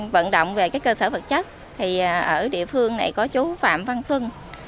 dựng động về các cơ sở vật chất thì ở địa phương này có chú phạm văn xuân